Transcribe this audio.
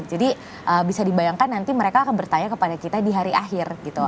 jadi bisa dibayangkan nanti mereka akan bertanya kepada kita di hari akhir gitu